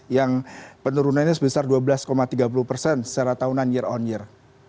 yang penurunannya sebesar dua belas tiga puluh persen secara tahunan year on year